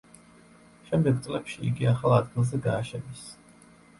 შემდეგ წლებში იგი ახალ ადგილზე გააშენეს.